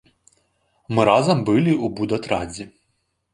Мы разам былі ў будатрадзе.